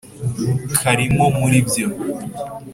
Karimo muri ibyo.